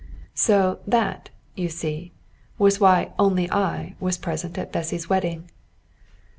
So that, you see, was why only I was present at Bessy's wedding.